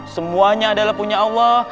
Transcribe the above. semuanya adalah punya allah